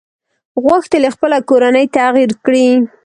غوښتل يې خپله کورنۍ تغيير کړي.